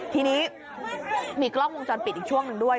ทีนี้มีกล้องวงจรปิดอีกช่วงหนึ่งด้วย